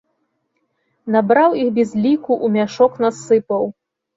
Набраў іх без ліку, у мяшок насыпаў!